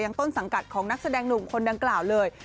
ต้นสังกัดของนักแสดงหนุ่มคนดังกล่าวเลย